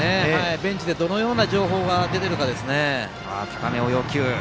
ベンチでどのような情報が出ているかですね。